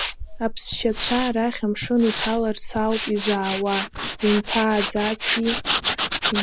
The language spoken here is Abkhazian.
Аԥсшьацәа арахь амшын иҭаларц ауп изаауа, иумҭааӡаци?